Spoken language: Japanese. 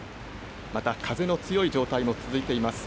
また、風の強い状態も続いています。